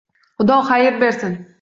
Xudo xayr bersin